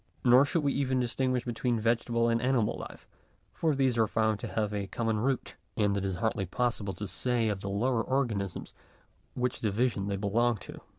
Nor should we even distinguish between vegetable and animal life ; for these are found to have a common root, and it is hardly possible to say of the lowest organisms which division they belong to.